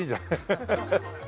ハハハハッ。